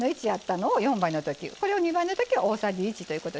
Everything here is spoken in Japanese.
これを２倍のときは大さじ１ということで倍にして下さい。